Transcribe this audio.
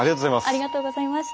ありがとうございます。